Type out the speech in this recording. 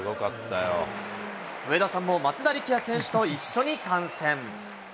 上田さんも松田力也選手と一緒に観戦。